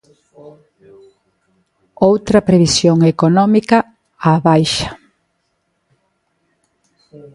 Outra previsión económica á baixa.